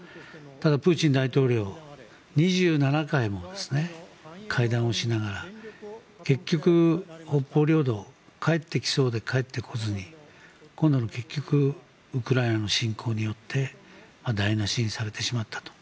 ただプーチン大統領２７回も会談をしながら結局、北方領土返ってきそうで返ってこずに今度の結局ウクライナの侵攻によって台なしにされてしまったと。